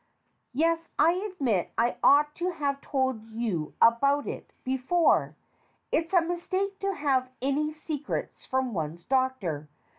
Yes; I admit I ought to have told you about it be fore. It's a mistake to have any secrets from one's doctor.